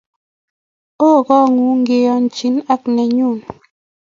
Oo kong'ung' ngiiyanye ak nenyo.